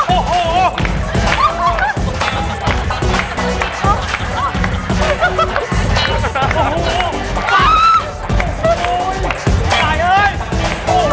หายเหล่อ